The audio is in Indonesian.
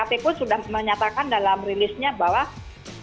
makanya knkt pun sudah menyatakan dalam rilisnya bahwa pesawat ini layak terbang